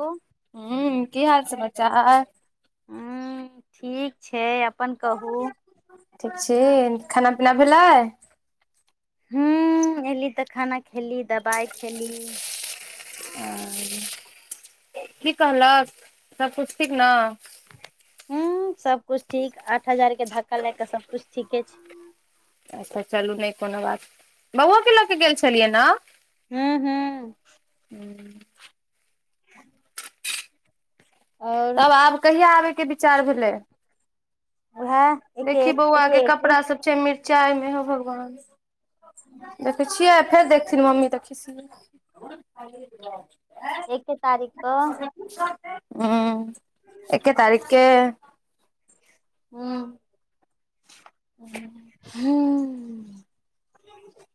Hello हू की हाल समाचार हँ ठीक छै अपन कहू ठीक छी खाना पीना भेलाय हूं अयली तऽ खाना खेली दबाई खेली ओं [unintelligible] की कहलक सबकुछ ठीक नऽ हूं सबकुछ ठीक आठ हजार के धक्का लाइग क सबकुछ ठीके छै अच्छा चलू नहि कोनो बात बौओके लऽ कऽ गेल छलियै नऽ हूँ हूँ हू और तब आब कहिया आबयके विचार भेलय उहा देखिहि बौआके कपड़ा सब मिरचाइ मे हौ भगवान देखै छियै फेर देखथिन मम्मी खि कसी [inaudible] एके तारीख कऽ हूं एके तारीखके हू [unintelligible] हूंअ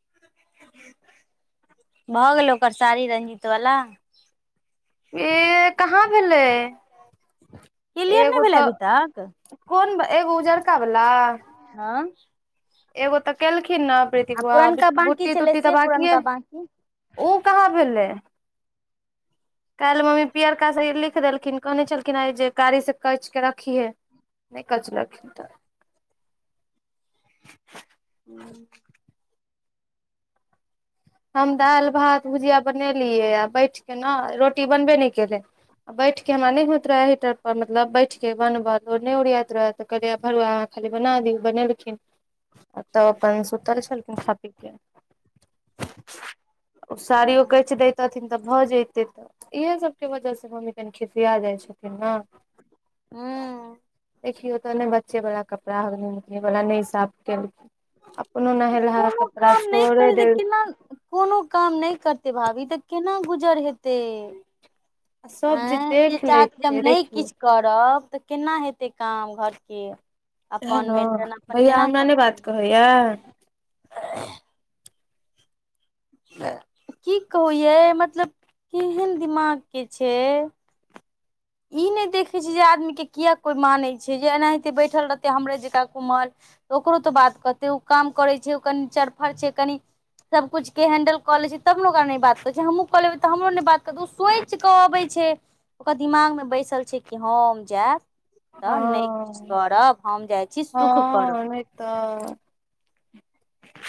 भऽ गेलौ ओकर साड़ी रंजीत वला ए कहाँ भेलै क्लियर नहि एगो भेलै अभी तक तऽ कोन एगो उजरका बला हां एगो तऽ केलखिन न प्रीति आ बुआ पुरनका बाकी बुट्टी छलै तुट्टी तऽ से बाकिए पुरनका बाकी ओ कहाँ भेलय [inaudible] काल्हि मम्मी पियरकासँ ई लिखि दखिन कहने छलखिन हे जे काड़ीसँ कैचि कऽ रखिहे नहि काज लख तऽ हूँ हम दालि भात भुजिया बनेलियै आ बैठ क न रोटी बनबे नइ केलै आ बैठ के हमरा नै होइत रहै हिटर पर मतलब बैठ के मतलब नहि ओरियाइत रहय तऽ कहलियै भरुआ अहाँ खाली बना दियो बनेलखिन आ तब अपन सुतले छलखिन खा पी के साड़ियो कच देतथिन तऽ भऽ जते ते इहे सब के वजह से मम्मी कनि खिसिया जाय छय ने हूँ [unintelligible] देखियौ तऽ ने बच्चे वाला कपड़ा हो गेलै न वला नइ साफ केलकै अपन तऽ नहलहा कोनो कपड़ा काम नहि छोड़े करै तऽ देल केना कोनो काम नइ करतै भाभी तऽ केना गुजर हेतय आ सब जे देख जे हम लैतियै नहि रेखियौ किछु करब तऽ केना हेतै काम घरके सएहन अपन न मेंटेन अपन भैया केना ओना नै करतै बात कहैया [inaudible] की कहू यऽ मतलब केहन दिमाग के छय ई नै देखैत छै जे आदमीके किया कोइ मानै छै जे एनाहिते बैठल रहतै हमरे जकाँ कुमल तऽ ओकरो तऽ बात कहतै ओ काम करै छै ओ कनि चरफर छै कनि सभकिछुके हैंडल कऽ लैत छै तब ने ओकरा नहि बात करै छै हमूँ कऽ लेबै तऽ हमरो नहि बात कहतै ओ सोचि कऽ अबैत छै ओकर दिमाग में बैसल छै कि हम जायब तऽ नइ किछु हँ करब हम जाइ छी सुख करब हँ नहि तऽ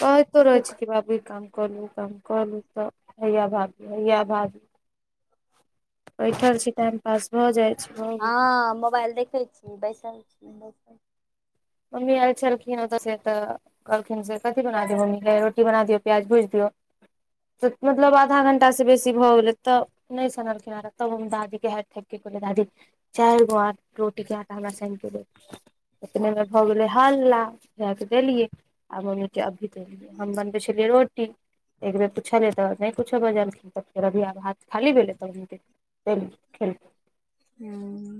कहैतो रहै छी सुख कि भाभि ई काम कर लू उ काम क लू तऽ भैया भाभि भैया भाभि बैठल छी टाइम पास भऽ जाइ छै भऽ गेलै हँ मोबइल देखै छी बैसल छी बैसल मम्मी आयल छलखिन ओत्त से‌ एत्त् कहलखिन से कथी बना दियौ मम्मी ले रोटी बना दियऔ प्याज भुज दियऔ मतलब आधा घंटा से बेसी भऽ गेले तऽ नइ सुनलखिन तब हम दादी के हारि थाकि के कहलिए दादी चैर गोर रोटी के आटा हमरा सानि के भऽ गेलै हल्ला जाय त देलियै आ मम्मीे अभी हम बनबै छलियै रोटी एक बेेर पुछलिए तऽ नइ कुछो बजलखिन तऽ फेर अभी आब हाथ खाली भेलै तऽदलियै खेलखिन हूँ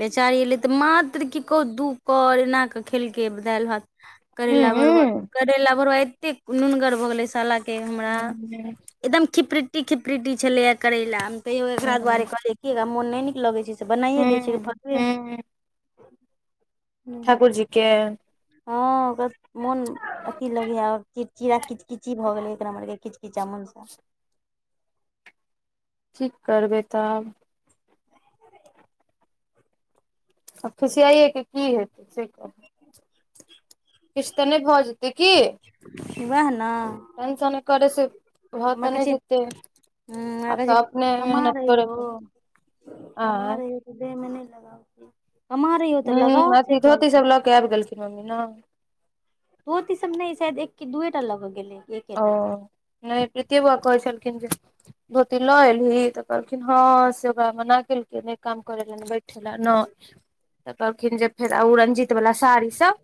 बेचारी अयलै तऽ मात्र की कहू दू कर एना कऽ खेलकै कऽ दालि भात करैला भरुआ करैला भरुआ एतेक नुनगर भऽ गेलै सालाके हमरा एकदम खिपरीटी खिपरीटी छलै करेला में तैयो एकरा दुआरे कहलिए कि मन नइ नीक लगे छै से बनाइए दै छय भे [unintelligible] ठाकुर जी के हँ ओकर मोन अथी लगै चिड़ चिड़ा किचकिची भऽ गेलै एक नम्बर के किचकिचा मनसा ठीक करबै तब आ फुशियाइएके की हेतै से कहू ह [unintelligible] किछ तऽ नइ भऽ जेतै की वएह न टेंसन करे से भऽ तऽ नहि छै जीते हूँ हमरा आब कहै तऽ छै अपने कमा मेहनत रही करे हो पड़त कमा रही हो त दे मे नै लगा कमा रही हो तऽ लगाओ से कहलत कय मम्मी न धोति सब नहि शायद एक की दूए टा लऽक गेलै ओ एकेटा नहि प्रीति बुआ कहै छलखिन जे धोती लऽ एलही तऽ कहलखिन हँ से ओका मना केलखिन कऽ नइ काम करेलाऽ बैठेला न तऽ कहलखिन जे फेर ओ रंजित वला साड़ी सब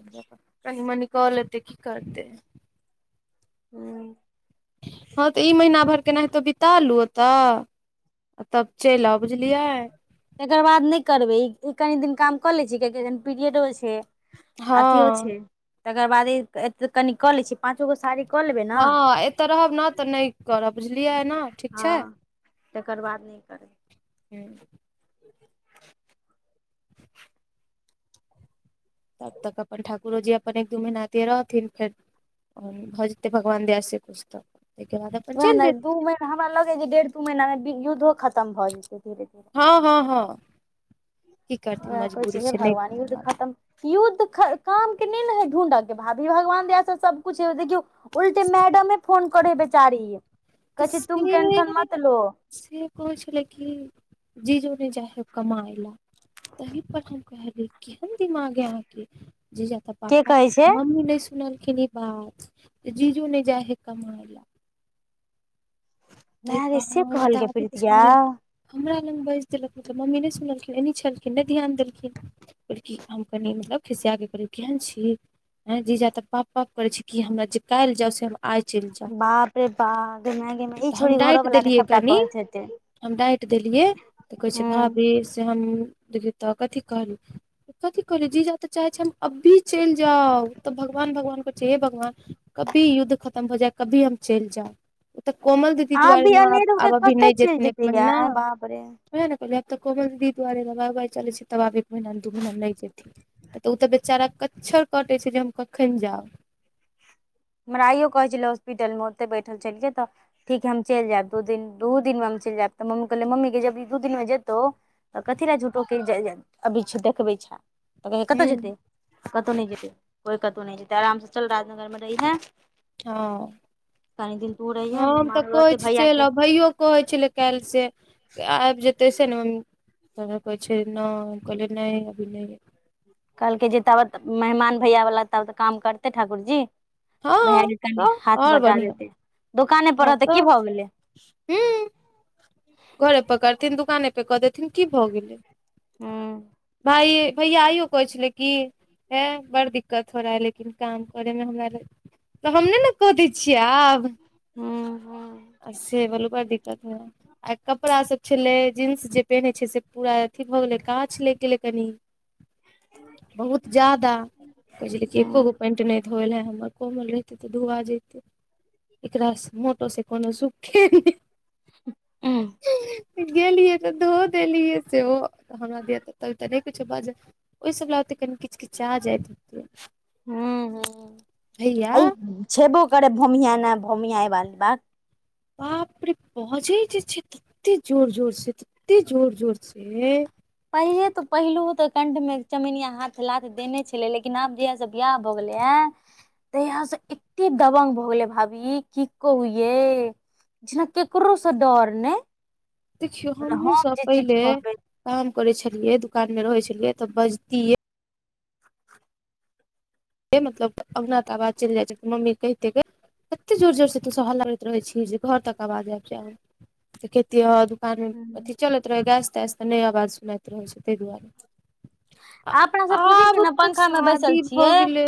कनि मनी क लेतै की करतै हूँ हँ तऽ ई महीना भर केनाहितो बिता लू ओतऽ तब चलि आउ बुझलियायै एकर बाद नहि करबैे ई कनी दिन काम कऽ लै छै कियेकि पीरियडो छै हँ अथियो छै तकर बाद कनि कऽ लै छि पाँचो गो साड़ी कऽ लेबै ने हँ एतऽ रहब न तऽ नइ करबऽ बुझलियै एना ठीक हँ छै तकर बाद नहि करबै हूं तब तक अपन ठाकुरो जी अपन एक दू महिना एतै रहथिन फेर भऽ जेतै भगवान दया से कुछ तऽ तइके बाद अपन वएह चलि ने जेथिन दू महीना हमरा लगैय जे डेढ़ दू महीना में युद्धो खतम भऽ जेतै धीरे धीर हँ हँ हँ की करथिन कहै छि मजबूरी हे‌ छै नहि कोनो भगवान तऽ बात खतम युद्ध ख काम के नहि ने है ढूंढड के भाभि भगवान दया से सबकुछ है देखियौ उलटे मैडमे फोन करै बेचारी तऽ कहै छय तुम से टेंशन मतलो से कहै छलै कि जीजो नइ जा है कमायला तही पर हम कहले केहन दिमाग है अहाँ के जे जता के पापा कहै छै मम्मी नइ सुनलखिन ई बात जीजु नै जाइ है कमाइ ला ताहि पर मैंगे से हम कहलकै दादी के प्रीतिया सामने हमरा लग बाजि देलक मतलब मम्मी नइ सुनलखिन एनहि छलखिन नइ ध्यान देलखिन की हम कनि मतलब खिसिया क कहलि केहन छि हैं जीजा तऽ बाप बाप करे छय कि हमरा जे काल्हि जाउ से हम आइ चलि जाउ बाप रे बाप गेल माइ गे माइ तऽ हम डैट देलियै कनि हम डाँटि देलियै तऽ कहै हूं छै भाभी से हम देखियै तऽ कथी कहल कथी कहल जी जा तऽ चाहे छैै हम अभी चलि जाउ तऽ भगवान भगवान करै छियै हे भगवान कभी युद्ध खतम हो जाय कभी हम चलि जाउ उ तऽ कोमल द ती आब दुआरे ई न अनेर होके आब अभी कतऽ नइ चलि जेथिन एक जेतै महीना यार बाप रे वएह ने कहलै आब तऽ कोमल दुआरे दवाइ उवाइ चलै छै तब आब एक महना दू महना नहि जेथिन ओ तऽ बेचारा कच्छर कटे छय जे हम कखन जाउ हमरा आइयो कहै छलै हॉस्पिटलमे ओते बैठल छलियै तऽ ठीक है हम चलि जायब दू दिन दू दिन में हम चलि जायब तऽ मम्मी कहलै मम्मी के जब दू दिन मे जेतौ तऽ कथी लए झूठोे केँ [unintelligible] अभी देखबै छै तऽ कहै कतहु हँ जेतै कतहु नय जेतै कोइ कतहु नहि जेतै आरामसँ चल राजनगरमे रही ने हाँ हम तऽ मेहमान कहय रहते भैया चलि के आउ भैयो कहै छलै काल्हि से आबि जेतै से ने मम्मी तह कहै छै न कले नहि अभी नहि कहलकै जे तब मेहमान भैया बला तब तऽ काम करते ठाकुर जी भैया हँ कनि तऽ हाथ आओर बटा बढ़िआँ देते दुकाने पर हँ रहतै की तऽ भऽ गेलै हूँ घरे पकड़थिन दुकाने प कऽ देथिन की भऽ गेलै हूँ आइ भैया आइयो कहै छल्य कि है बड़ दिक्कत हो रहा है लेकिन काम करे में हमरा ल तऽ हम नय ने क दै छियै आब हूँ हूँ से वलू बड़ दिक्कत होइया [unintelligible] आ कपड़ा सब छलै जींस जे पहिन्नेय छै से पूरा अथी भए गेले काछ लागि गेलै कनी [inaudible] बहुत ज्यादा कहै छै कि एको गो पानंट नहि धोल हे हमर कोमल रहतै तऽ धुआ जतै एकराास मोटो से कोनो सुूखे ह [unintelligible] गेलियै तऽ धो देलियै सेहो हमरा दिया तऽ केओ तऽ नहि किछो बाज ओफिसभ ओत्ते कनि किज किचा जाइत भैया ई छेबो करै भूमिहना भोमिहइ वाली बात बाप रे बजे जे छै तते जोर जोर से तते जोर जोर से पहिले तऽ पहिलु तऽ कंठ में चमनिया हाथ लाथ देने छले लेकिन आब जहिया सब बियाह भऽ गेलै है तहिया से एते दबंग भऽ गेलै भाभी की कह ये जेना ककरोसँ डर ने देखियो हमहुँ सब पहिले काम करे छलियए दुकान में रहे छलिये तऽ बजतीे मतलब अहुना तऽ अवाज चलि जाइ छै तऽ मम्मी कहितै कऽ कतेक जोर जोर से तू सब हल्ला करैत रहै छी जे घर तक आवाज आबि जायउ तऽ खेती हद कारण [unintelligible] कहबै अथि चलैत रहै गैस तैस नहि आवाज सुनाईत रहै छै तहि दुआरे अपना सब सोचै छियै आब न तऽ पंखा मे बैसल शादी भऽ छियै गेलै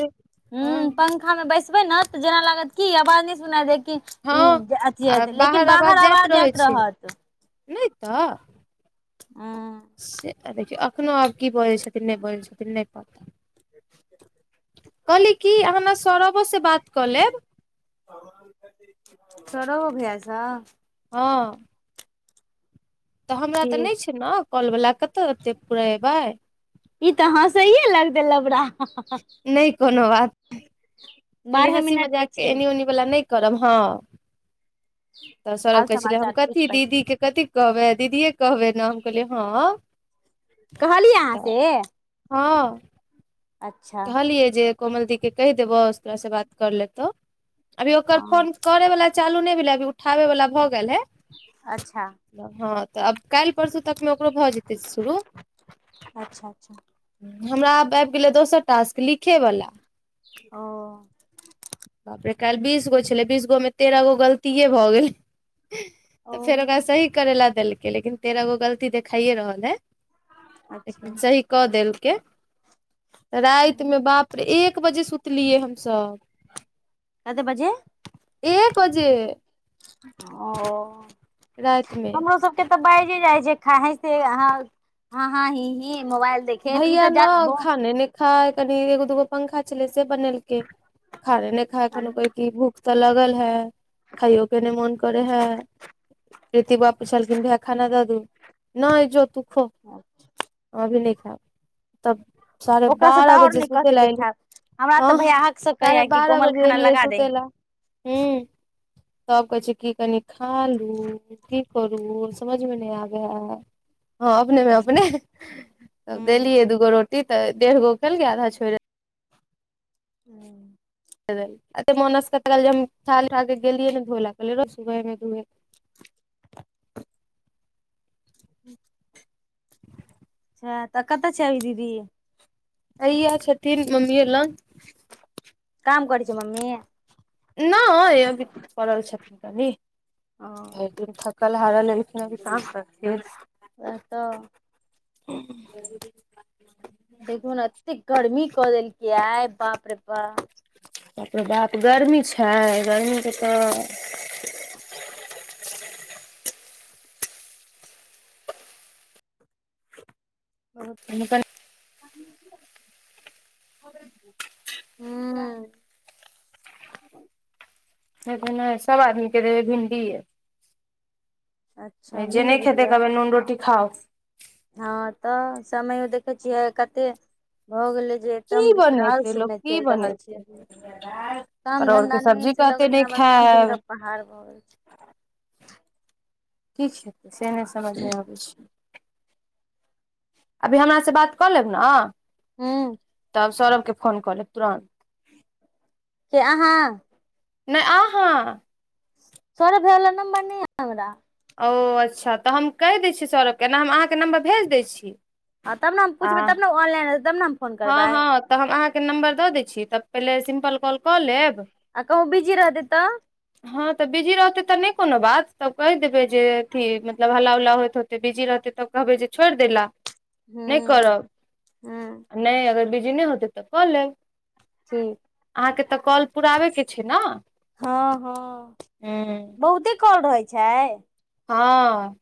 ह हँ पंखा मे बैसबै न तऽ जेना लागत कि आवाज नहि सुना देकि हँ उऽ जा अथी लेकिन बाहर आवाज जाइत रहत नहि तऽ ह से देखियौ एखनो आब की बजै छथिन नहि बजै छथिन नहि पता कहली की आँह सौरबो से बात कऽ लेब सौरभ‌ओ भैया स हँ तऽ हमरा तऽ ठीक नहि छै नऽ काॅल वाला कतहु ओते पूरेबै ई तऽ हस‌यै लगत‌इ लबरा नहि कोनो बात [inaudible] [inaudible] खाली हँसी मिनट तऽ मजाक के छै एनी ओनी वला नहि करब हँ तऽ सौरव हाल कहै छलै हम समाचार कथी पूछि पाछ दीदी के कथी कहबै दीदिए कहबै ने हम कहलियै हा कहलियै अहाँ से हाँ अच्छा कहलियै जे कोमल दी केँ कहि देबो से तोरा सँ बात कर लेतौ अभी ओकर ह फोन करे वाला चालू नहि भेले अभी उठाबे वाला भए गेल हेय अच्छा हँ तऽ आब काल्हि परसू तकमे ओकरो भऽ जेतै शुरू अच्छा अच्छा हमरा आब आबि गेलै दोसर टास्क लिखै वला ओ बापरे काल्हि बीस गो छलै बीस गो मे तेरह गो गलतीए भऽ गेलै ओ तऽ फेर ओकरा सही करै ला देलकै लेकिन तेरगो गलती देखाइए रहल है अच्छा लेकिन सही कऽ देलकै रातिमे बाप रे एक बजे सुतलियै हमसभ कते बजे एक बजे ओ रातिमे हमरो सब से तऽ बाइजे जाइ छै खा हसिते [unintelligible] हाँ हाँ हि हि मोबाइल देखेत ई भैया तऽ न जात खाने नै खा कनि एगो दूगो पंखा छलै से बनेलकै खाने नहि खाय की भूख तऽ लगल ह खाइयो केँ नै मोन करे है प्रिति बाउ पछलखिन भैया खाना द दू नहि जो तू खो अभी नहि खैब तब साढ़े ओकरा से तऽ बारह आओर बजे नहि सुत कहते लै जे एलिये खायब हमरा तऽ हँ भैया हक से साढे कहैया कि बारह कोमल बजे खाना एलिये लगा दे सुत लैए हू तब कहै छी की कनी खा लु करू समझ मे नहि आबै है हँ अपने मे अपने तब देलियै अच्छा दूगो रोटी तऽ डेढ़ गो खेलकै आधा छोड़े हू [unintelligible] [unintelligible] एत मनस क तऽ कहल जे हम छे गेलियै ने धो ललै रो सुबहमे धोए [unintelligible] [unintelligible] ह [unintelligible] [unintelligible] अ तऽ कतऽ छैल दीदी ह‌इया छथिन मम्मी लग काम करै छै मम्मी नई अभी पड़ल छथिन कनी ओ भर [unintelligible] पेट खा के कलहारा लेलएखिन की काम करथिन बैहै तऽ हूँ [unintelligible] [unintelligible] देखू न एते गर्मी कऽ देलकै आइ बाप रे बाप बाप‌ रे बाप गरमी छाय गरमीके तऽ [inaudible] कनि कनि [unintelligible] [inaudible] हू [inaudible] सब आदमी के देबै भिंडी यै अ जे नहि खेत कहबै नून रोटी खाउ हँ तऽ समयो देखैत छियै कते भऽ गेलै जे एकदम कि विकराल बनेतै लोक समय कि चलि रहल छै बनेतै काम परोड़ धंधा के नहि सब्जी से लगै कहते जेना नहि आब कोन दिन खैब के पहाड़ भऽ गेल छै की छैेतै से नहि समझमे आबै छै अभी हमर से बात कऽ लेब ना हूँ तब सौरभके फोन कऽ लेब तुरन्त के अहाँ नैए आहाँ सोरभ भइया लग नम्बर या हमरा ओ अच्छा तऽ हम कहि दै छियै सरोभा के हम अहाँके नम्बर भेज दैत छी ह तब ने हम पुछबै तब ने ऑलाइन हतै तब ने हम फोन करबै हँ-हँ तऽ हम अहाँके नम्बर दऽ दै छी। तऽ पहिने सिम्पल कॉल कऽ लेब आ कहु बिजी रहत तऽ हँ तऽ बिजी रहते तऽ नई कोनो बात तब कहि देबै जे अथी मतलब हला उ्ला होइत होते तऽ बिजी रहत तखन कहबै जे छोड़ि देल हँ हँ नई अगर बिजने होतै तऽ कऽ लेब हूँ अहाँके तऽ कॉल पुराबे के छै ना हँ हँ बहुते कला रहै छै हँ